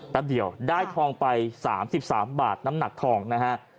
แป๊บเดียวได้ทองไปสามสิบสามบาทน้ำหนักทองนะฮะ